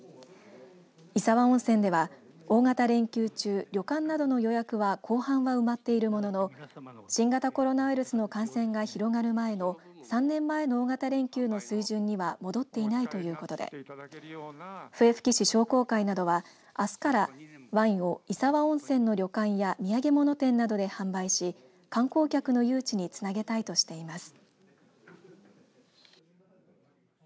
石和温泉では大型連休中、旅館などの予約は後半は埋まっているものの新型コロナウイルスの感染が広がる前の３年前の大型連休の水準には戻っていないということで笛吹市商工会などはあすからワインを石和温泉の旅館や土産物店などで販売し観光客の誘致につなげたいとしています。